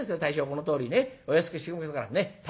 このとおりねお安くしときますからねっ大将」。